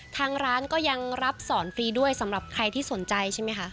ทางร้านก็ยังรับสอนฟรีด้วยสำหรับใครที่สนใจใช่ไหมคะ